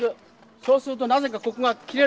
そうするとなぜかここが切れる。